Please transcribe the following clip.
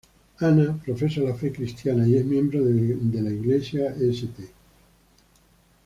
Anna profesa la fe cristiana y es miembro de la iglesia St.